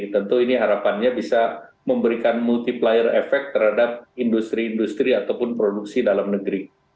tentu ini harapannya bisa memberikan multiplier efek terhadap industri industri ataupun produksi dalam negeri